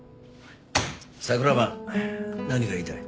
桜間何が言いたい？